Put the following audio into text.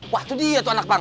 wah tuh dia tuh anak bangsa